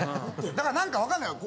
だから何かわかんない。